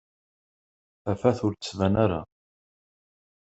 Tafat ur d-tban ara